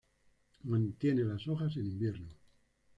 Mantiene las hojas en invierno.